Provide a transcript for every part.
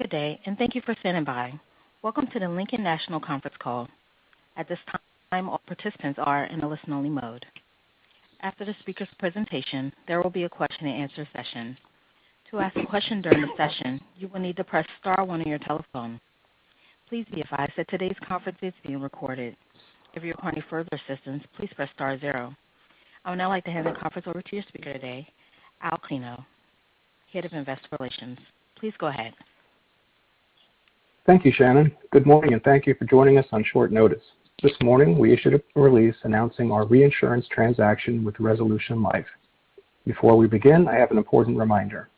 Good day, and thank you for standing by. Welcome to the Lincoln National Conference Call. At this time, all participants are in a listen-only mode. After the speaker's presentation, there will be a question-and-answer session. To ask a question during the session, you will need to press star one on your telephone. Please be advised that today's conference is being recorded. If you require any further assistance, please press star zero. I would now like to hand the conference over to your speaker today, Al Copersino, Head of Investor Relations. Please go ahead. Thank you, Shannon. Good morning. Thank you for joining us on short notice. This morning, we issued a release announcing our reinsurance transaction with Resolution Life. Before we begin, I have an important reminder.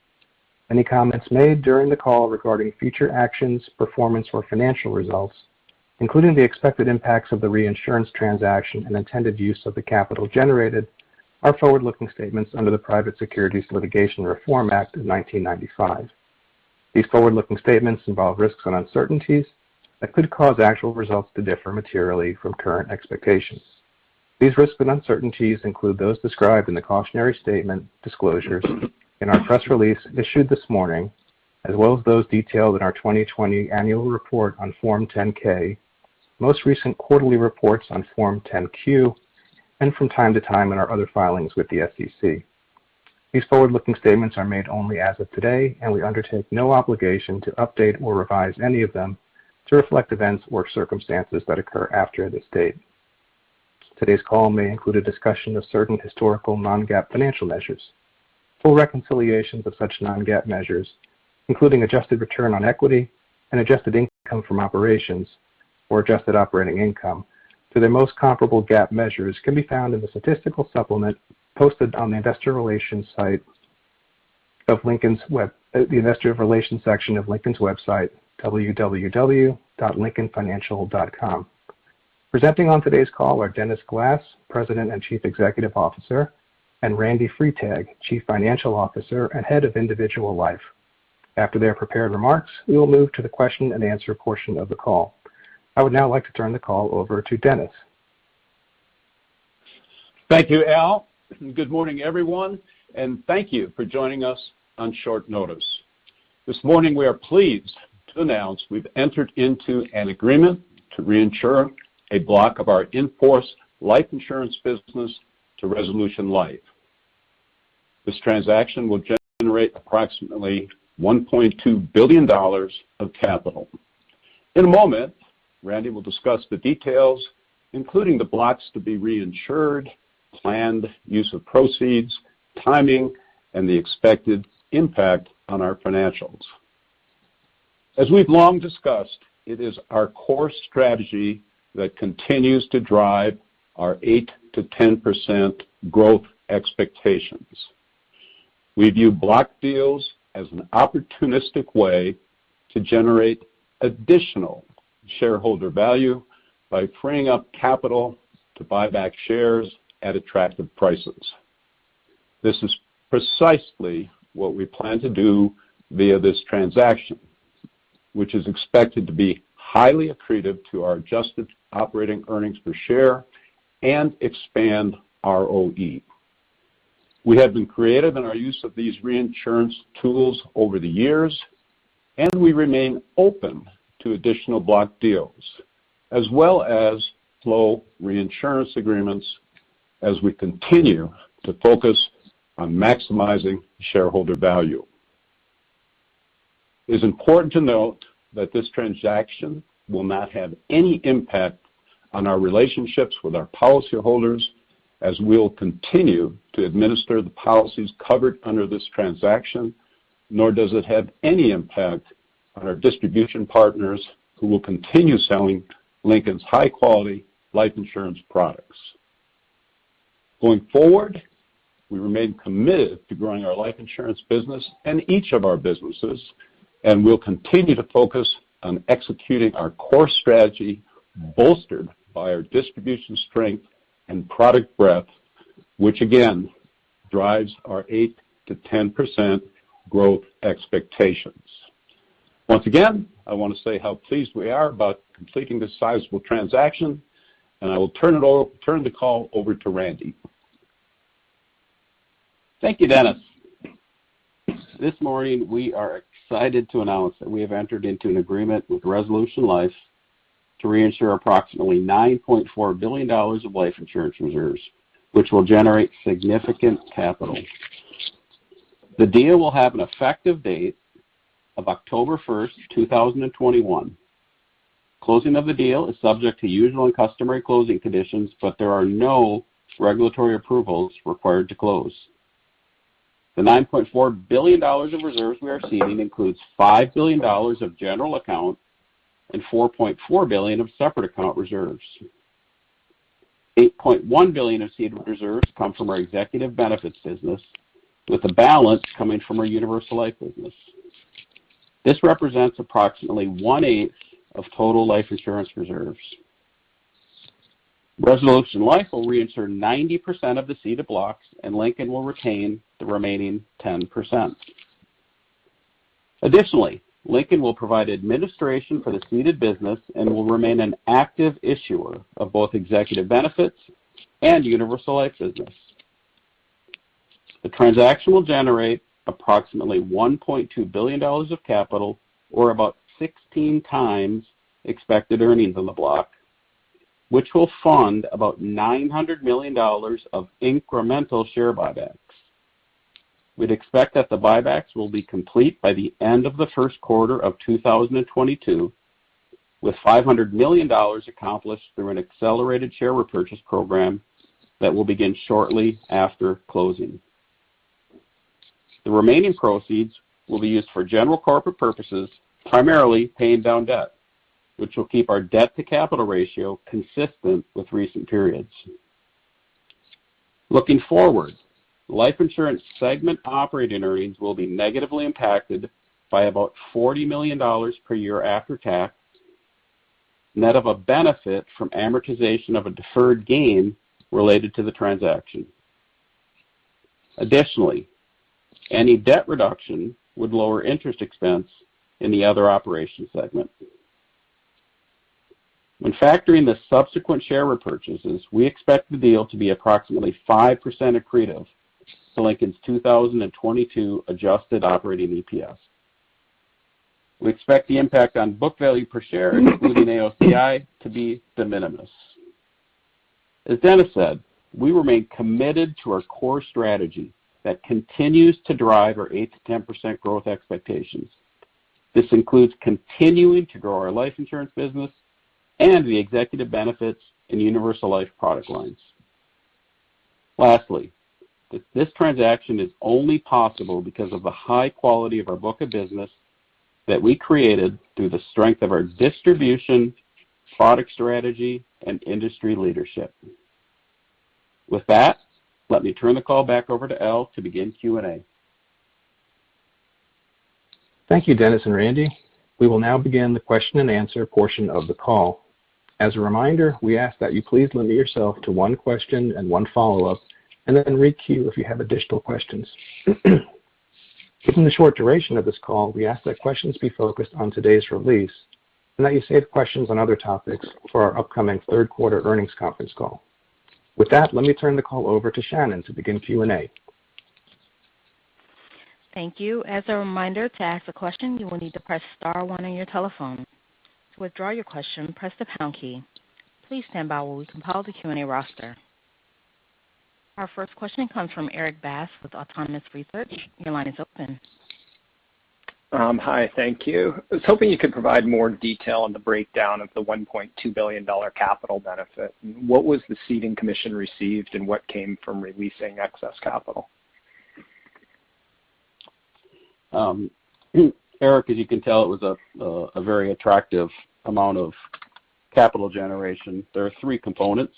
Any comments made during the call regarding future actions, performance, or financial results, including the expected impacts of the reinsurance transaction and intended use of the capital generated, are forward-looking statements under the Private Securities Litigation Reform Act of 1995. These forward-looking statements involve risks and uncertainties that could cause actual results to differ materially from current expectations. These risks and uncertainties include those described in the cautionary statement disclosures in our press release issued this morning, as well as those detailed in our 2020 annual report on Form 10-K, most recent quarterly reports on Form 10-Q, and from time to time in our other filings with the SEC. These forward-looking statements are made only as of today, and we undertake no obligation to update or revise any of them to reflect events or circumstances that occur after this date. Today's call may include a discussion of certain historical non-GAAP financial measures. Full reconciliations of such non-GAAP measures, including adjusted return on equity and adjusted income from operations or adjusted operating income to their most comparable GAAP measures can be found in the statistical supplement posted on the investor relations section of Lincoln's website, www.lincolnfinancial.com. Presenting on today's call are Dennis Glass, President and Chief Executive Officer, and Randal Freitag, Chief Financial Officer and Head of Individual Life. After their prepared remarks, we will move to the question-and-answer portion of the call. I would now like to turn the call over to Dennis. Thank you, Al. Good morning, everyone, and thank you for joining us on short notice. This morning, we are pleased to announce we've entered into an agreement to reinsure a block of our in-force life insurance business to Resolution Life. This transaction will generate approximately $1.2 billion of capital. In a moment, Randal will discuss the details, including the blocks to be reinsured, planned use of proceeds, timing, and the expected impact on our financials. As we've long discussed, it is our core strategy that continues to drive our 8%-10% growth expectations. We view block deals as an opportunistic way to generate additional shareholder value by freeing up capital to buy back shares at attractive prices. This is precisely what we plan to do via this transaction, which is expected to be highly accretive to our adjusted operating earnings per share and expand ROE. We have been creative in our use of these reinsurance tools over the years, and we remain open to additional block deals as well as flow reinsurance agreements as we continue to focus on maximizing shareholder value. It is important to note that this transaction will not have any impact on our relationships with our policyholders, as we will continue to administer the policies covered under this transaction, nor does it have any impact on our distribution partners who will continue selling Lincoln's high-quality life insurance products. Going forward, we remain committed to growing our life insurance business and each of our businesses, and we'll continue to focus on executing our core strategy bolstered by our distribution strength and product breadth, which again drives our 8%-10% growth expectations. Once again, I want to say how pleased we are about completing this sizable transaction, and I will turn the call over to Randal. Thank you, Dennis. This morning, we are excited to announce that we have entered into an agreement with Resolution Life to reinsure approximately $9.4 billion of life insurance reserves, which will generate significant capital. The deal will have an effective date of 1st October 2021. Closing of the deal is subject to usual and customary closing conditions, but there are no regulatory approvals required to close. The $9.4 billion of reserves we are ceding includes $5 billion of general account and $4.4 billion of separate account reserves. $8.1 billion of ceded reserves come from our executive benefits business, with the balance coming from our universal life business. This represents approximately one-eighth of total life insurance reserves. Resolution Life will reinsure 90% of the ceded blocks, and Lincoln will retain the remaining 10%. Additionally, Lincoln will provide administration for the ceded business and will remain an active issuer of both executive benefits and universal life business. The transaction will generate approximately $1.2 billion of capital or about 16x expected earnings on the block, which will fund about $900 million of incremental share buybacks. We'd expect that the buybacks will be complete by the end of the first quarter of 2022, with $500 million accomplished through an accelerated share repurchase program that will begin shortly after closing. The remaining proceeds will be used for general corporate purposes, primarily paying down debt, which will keep our debt-to-capital ratio consistent with recent periods. Looking forward, life insurance segment operating earnings will be negatively impacted by about $40 million per year after tax, net of a benefit from amortization of a deferred gain related to the transaction. Additionally, any debt reduction would lower interest expense in the other operation segment. When factoring the subsequent share repurchases, we expect the deal to be approximately 5% accretive to Lincoln's 2022 adjusted operating EPS. We expect the impact on book value per share, including AOCI, to be de minimis. As Dennis said, we remain committed to our core strategy that continues to drive our 8%-10% growth expectations. This includes continuing to grow our life insurance business and the executive benefits and universal life product lines. Lastly, this transaction is only possible because of the high quality of our book of business that we created through the strength of our distribution, product strategy, and industry leadership. With that, let me turn the call back over to Al Copersino to begin Q&A. Thank you, Dennis and Randal. We will now begin the question-and-answer portion of the call. As a reminder, we ask that you please limit yourself to one question and one follow-up, and then re-queue if you have additional questions. Given the short duration of this call, we ask that questions be focused on today's release and that you save questions on other topics for our upcoming third quarter earnings conference call. With that, let me turn the call over to Shannon to begin Q&A. Thank you. As a reminder, to ask a question, you will need to press star one on your telephone. To withdraw your question, press the pound key. Please stand by while we compile the Q&A roster. Our first question comes from Erik Bass with Autonomous Research. Your line is open. Hi, thank you. I was hoping you could provide more detail on the breakdown of the $1.2 billion capital benefit. What was the ceding commission received, and what came from releasing excess capital? Erik, as you can tell, it was a very attractive amount of capital generation. There are three components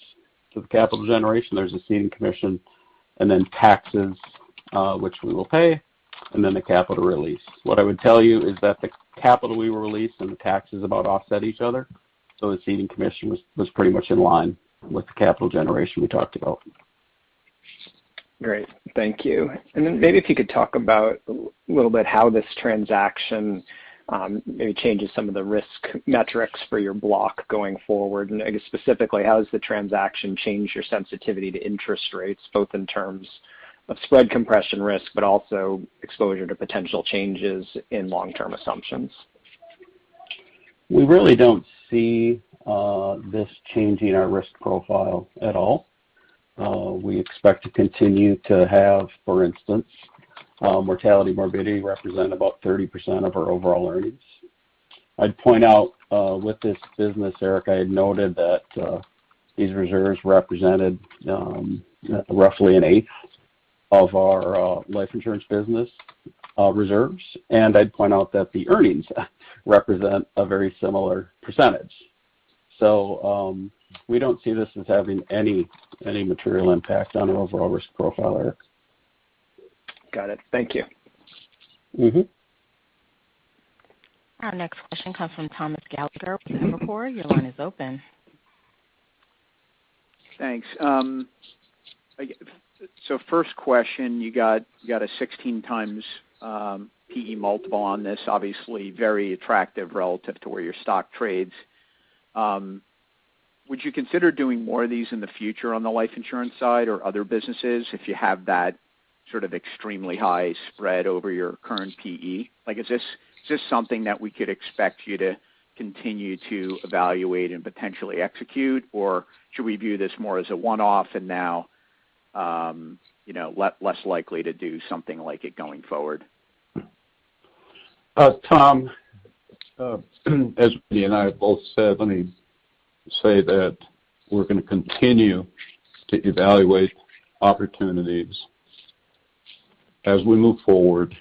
to the capital generation. There's the ceding commission, and then taxes, which we will pay, and then the capital release. What I would tell you is that the capital we released and the taxes about offset each other. The ceding commission was pretty much in line with the capital generation we talked about. Great. Thank you. Maybe if you could talk about a little bit how this transaction maybe changes some of the risk metrics for your block going forward, and I guess specifically, how does the transaction change your sensitivity to interest rates, both in terms of spread compression risk, but also exposure to potential changes in long-term assumptions? We really don't see this changing our risk profile at all. We expect to continue to have, for instance, mortality morbidity represent about 30% of our overall earnings. I'd point out, with this business, Erik, I had noted that these reserves represented roughly an eighth of our life insurance business reserves, and I'd point out that the earnings represent a very similar percentage. We don't see this as having any material impact on our overall risk profile, Erik. Got it. Thank you. Our next question comes from Thomas Gallagher with Evercore. Your line is open. Thanks. First question, you got a 16x P/E multiple on this, obviously very attractive relative to where your stock trades. Would you consider doing more of these in the future on the life insurance side or other businesses if you have that sort of extremely high spread over your current P/E? Is this something that we could expect you to continue to evaluate and potentially execute, or should we view this more as a one-off and now less likely to do something like it going forward? Tom, as Randal and I both said, let me say that we're going to continue to evaluate opportunities as we move forward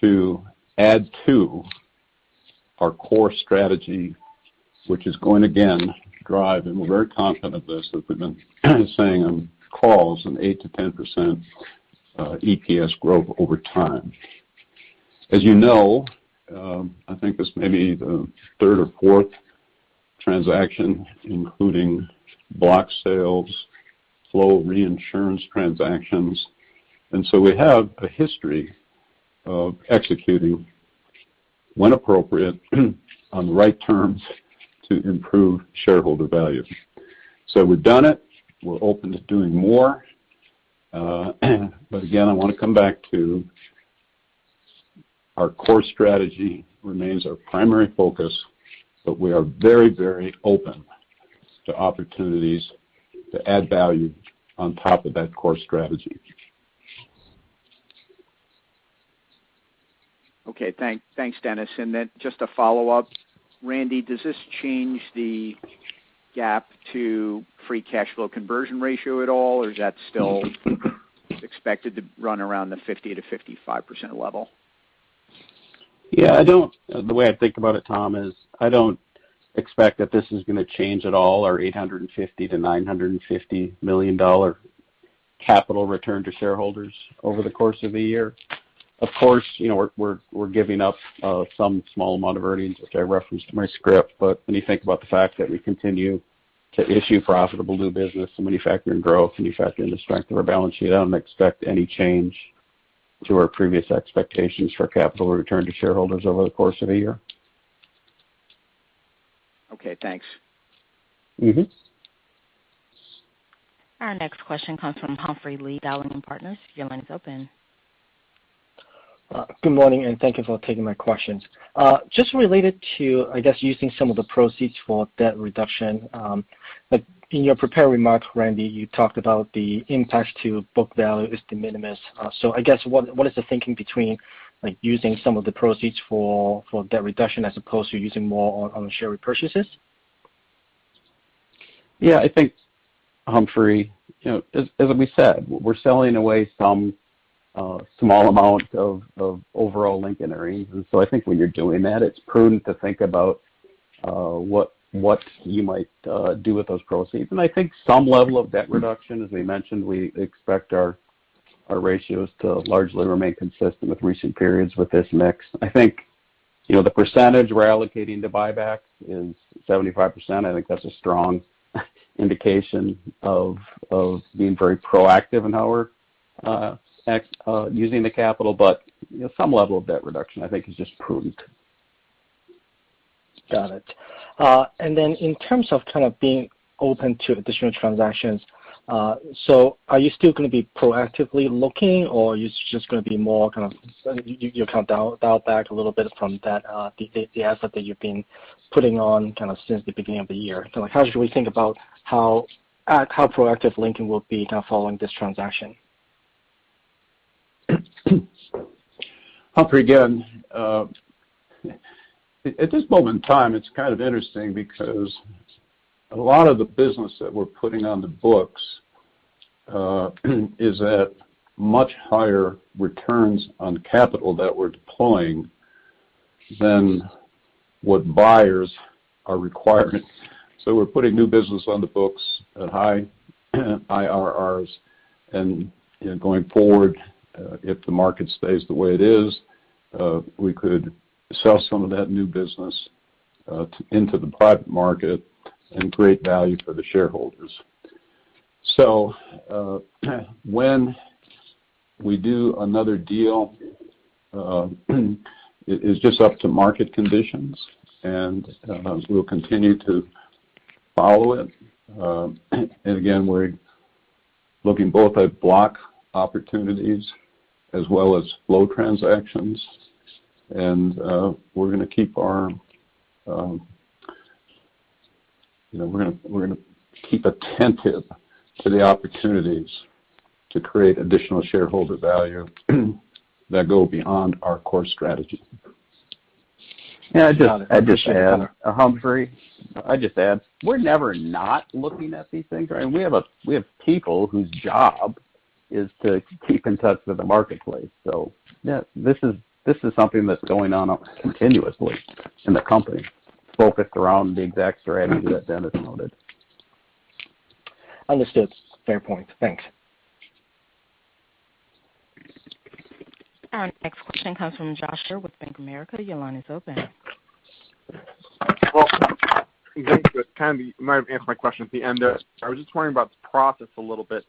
to add to our core strategy, which is going, again, to drive, and we're very confident of this, as we've been saying on calls, an 8%-10% EPS growth over time. As you know, I think this may be the third or fourth transaction, including block sales, flow reinsurance transactions, we have a history of executing when appropriate, on the right terms to improve shareholder value. We've done it, we're open to doing more. Again, I want to come back to our core strategy remains our primary focus, but we are very open to opportunities to add value on top of that core strategy. Okay. Thanks, Dennis. Just a follow-up. Randal, does this change the GAAP to free cash flow conversion ratio at all, or is that still expected to run around the 50%-55% level? Yeah. The way I think about it, Tom, is I don't expect that this is going to change at all our $850 million to $950 million capital return to shareholders over the course of a year. Of course, we're giving up some small amount of earnings, which I referenced in my script. When you think about the fact that we continue to issue profitable new business and manufacturing growth and you factor in the strength of our balance sheet, I don't expect any change to our previous expectations for capital return to shareholders over the course of a year. Okay, thanks. Our next question comes from Humphrey Lee, Dowling & Partners. Your line is open. Good morning, and thank you for taking my questions. Just related to, I guess, using some of the proceeds for debt reduction, in your prepared remarks, Randal, you talked about the impact to book value is de minimis. I guess what is the thinking between using some of the proceeds for debt reduction as opposed to using more on share repurchases? Yeah, I think, Humphrey, as we said, we're selling away some small amount of overall Lincoln earnings. I think when you're doing that, it's prudent to think about what you might do with those proceeds. I think some level of debt reduction, as we mentioned, we expect our ratios to largely remain consistent with recent periods with this mix. I think the percentage we're allocating to buyback is 75%. I think that's a strong indication of being very proactive in our using the capital, some level of debt reduction, I think is just prudent. Got it. Then in terms of kind of being open to additional transactions, are you still going to be proactively looking, or are you just going to be more kind of you'll dial back a little bit from the asset that you've been putting on kind of since the beginning of the year? How should we think about how proactive Lincoln will be now following this transaction? Humphrey, again, at this moment in time, it's kind of interesting because a lot of the business that we're putting on the books is at much higher returns on capital that we're deploying than what buyers are requiring. We're putting new business on the books at high IRRs, and going forward, if the market stays the way it is, we could sell some of that new business into the private market and create value for the shareholders. When we do another deal, it is just up to market conditions, and we'll continue to follow it. Again, we're looking both at block opportunities as well as flow transactions, and we're going to keep attentive to the opportunities to create additional shareholder value that go beyond our core strategy. Can I just add, Humphrey? I'd just add, we're never not looking at these things. We have people whose job is to keep in touch with the marketplace. This is something that's going on continuously in the company, focused around the exact strategy that Dennis noted. Understood. Fair point. Thanks. Our next question comes from Joshua with Bank of America. Your line is open. Well, thank you. You might have answered my question at the end there. I was just wondering about the process a little bit.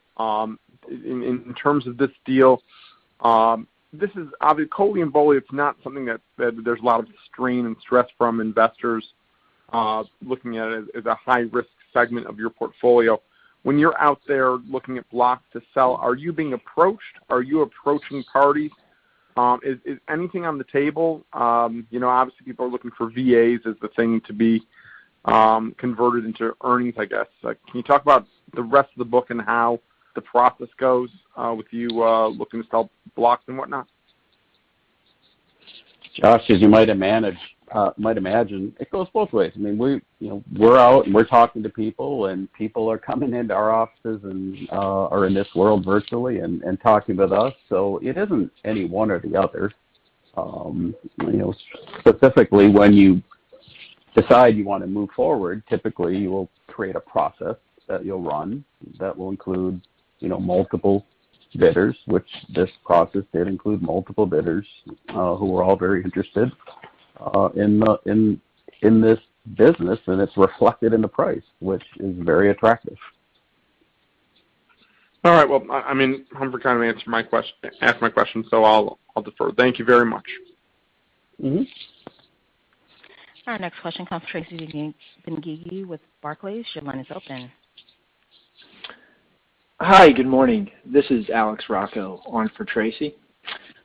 In terms of this deal, this is obviously, COLI and BOLI, it's not something that there's a lot of strain and stress from investors looking at it as a high-risk segment of your portfolio. When you're out there looking at blocks to sell, are you being approached? Are you approaching parties? Is anything on the table? Obviously, people are looking for VAs as the thing to be converted into earnings, I guess. Can you talk about the rest of the book and how the process goes with you looking to sell blocks and whatnot? Joshua, as you might imagine, it goes both ways. We're out and we're talking to people, and people are coming into our offices or in this world virtually and talking with us. It isn't any one or the other. Specifically when you decide you want to move forward, typically, you will create a process that you'll run that will include multiple bidders, which this process did include multiple bidders who were all very interested in this business, and it's reflected in the price, which is very attractive. All right. Well, Humphrey Lee kind of asked my question. I'll defer. Thank you very much. Our next question comes Tracy Benguigui with Barclays. Your line is open. Hi, good morning. This is Alex Rocco on for Tracy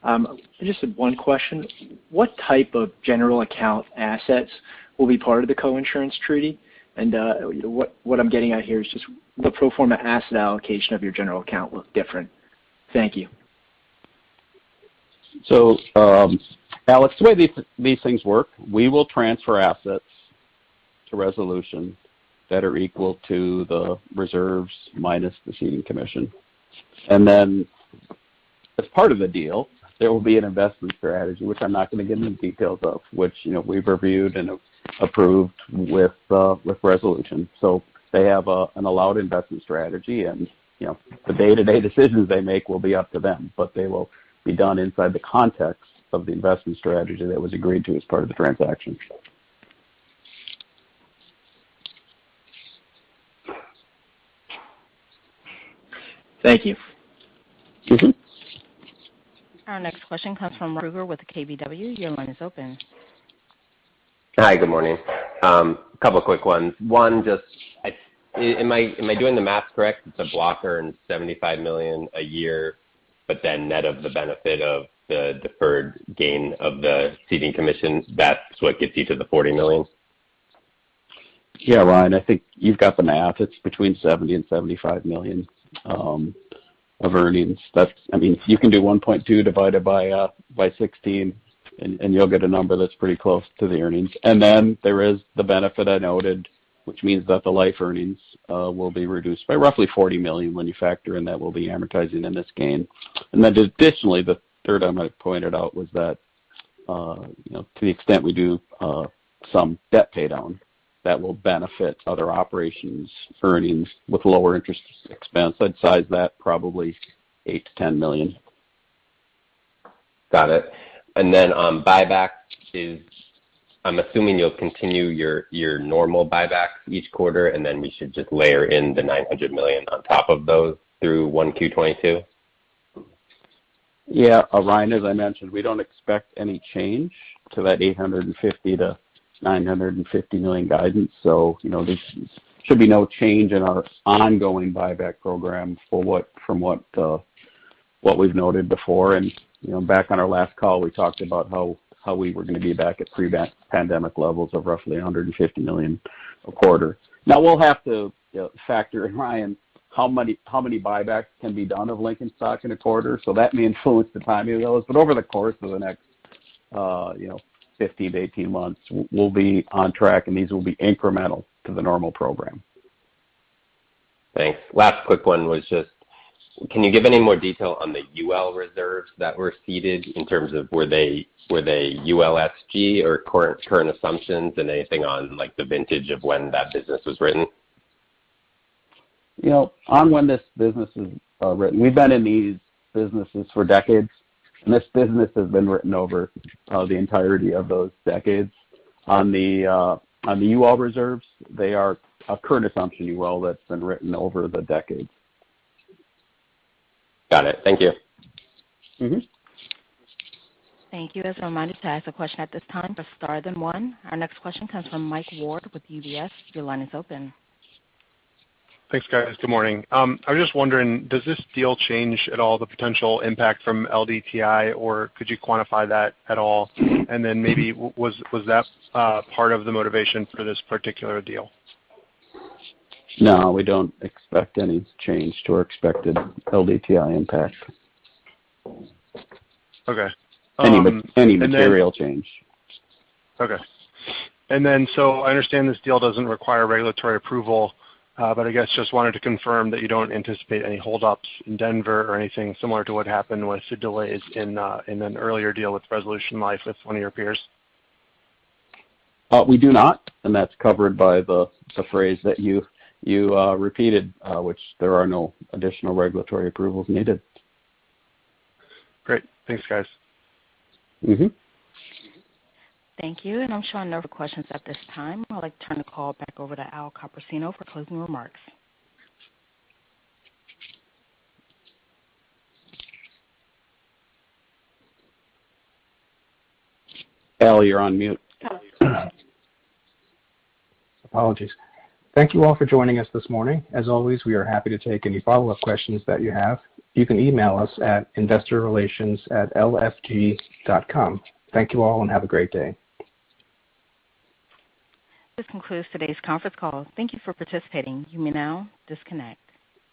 Benguigui. Just one question. What type of general account assets will be part of the coinsurance treaty? What I'm getting at here is just will the pro forma asset allocation of your general account look different? Thank you. Alex, the way these things work, we will transfer assets to Resolution that are equal to the reserves minus the ceding commission. As part of the deal, there will be an investment strategy, which I'm not going to get into details of, which we've reviewed and approved with Resolution. They have an allowed investment strategy, and the day-to-day decisions they make will be up to them, but they will be done inside the context of the investment strategy that was agreed to as part of the transaction. Thank you. Our next question comes from Ryan Krueger with KBW. Your line is open. Hi, good morning. A couple of quick ones. One, am I doing the math correct? It's a block around $75 million a year, but then net of the benefit of the deferred gain of the ceding commissions, that's what gets you to the $40 million? Yeah, Ryan, I think you've got the math. It's between $70 million to $75 million of earnings. You can do 1.2 divided by 16, and you'll get a number that's pretty close to the earnings. There is the benefit I noted, which means that the life earnings will be reduced by roughly $40 million when you factor in that we'll be amortizing in this gain. Additionally, the third I might point it out was that to the extent we do some debt pay down, that will benefit other operations earnings with lower interest expense. I'd size that probably $8 million to $10 million. Got it. Then on buyback, I'm assuming you'll continue your normal buyback each quarter, and then we should just layer in the $900 million on top of those through 1Q22? Yeah. Ryan, as I mentioned, we don't expect any change to that $850 million to $950 million guidance. There should be no change in our ongoing buyback program from what we've noted before. Back on our last call, we talked about how we were going to be back at pre-pandemic levels of roughly $150 million a quarter. Now, we'll have to factor in, Ryan, how many buybacks can be done of Lincoln stock in a quarter, so that may influence the timing of those. Over the course of the next 15 to 18 months, we'll be on track, and these will be incremental to the normal program. Thanks. Last quick one was just, can you give any more detail on the UL reserves that were ceded in terms of were they ULSG or current assumptions and anything on the vintage of when that business was written? On when this business was written, we've been in these businesses for decades, and this business has been written over the entirety of those decades. On the UL reserves, they are a current assumption UL that's been written over the decades. Got it. Thank you. Thank you. As a reminder to ask a question at this time, press star then one. Our next question comes from Michael Ward with UBS. Your line is open. Thanks, guys. Good morning. I was just wondering, does this deal change at all the potential impact from LDTI, or could you quantify that at all? Maybe was that part of the motivation for this particular deal? No, we don't expect any change to our expected LDTI impact. Okay. Any material change. Okay. I understand this deal doesn't require regulatory approval, but I guess just wanted to confirm that you don't anticipate any hold ups in Denver or anything similar to what happened with the delays in an earlier deal with Resolution Life with one of your peers? We do not, that's covered by the phrase that you repeated, which there are no additional regulatory approvals needed. Great. Thanks, guys. Thank you. I'm showing no further questions at this time. I'd like to turn the call back over to Al Copersino for closing remarks. Al, you're on mute. Oh. Apologies. Thank you all for joining us this morning. As always, we are happy to take any follow-up questions that you have. You can email us at investorrelations@lfg.com. Thank you all, and have a great day. This concludes today's conference call. Thank you for participating. You may now disconnect.